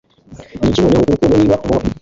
niki noneho, urukundo, niba vuba